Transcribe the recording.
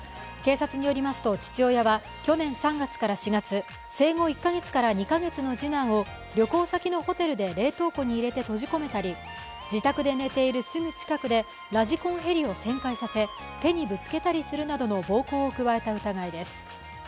警察によりますと父親は去年３月から４月生後１カ月から２カ月の次男を旅行先のホテルで冷凍庫に入れて閉じ込めたり自宅で寝ているすぐ近くでラジコンヘリを旋回させ手にぶつけたりするなどの暴行を加えた疑いです。